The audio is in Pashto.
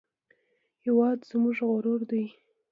هېواد زموږ غرور دی